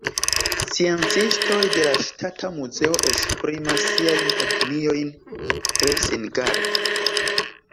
Sciencistoj de la Ŝtata Muzeo esprimas siajn opiniojn tre singarde.